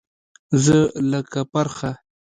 زه لکه پرخه